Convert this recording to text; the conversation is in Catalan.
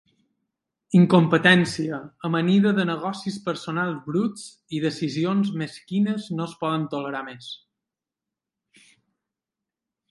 Incompetència amanida de negocis personals bruts i decisions mesquines no es poden tolerar més.